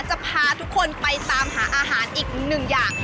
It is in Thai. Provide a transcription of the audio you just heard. จะพาทุกคนไปตามหาอาหารอีกหนึ่งอย่าง